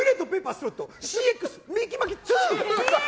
スロットＣＸミキ・マキ２。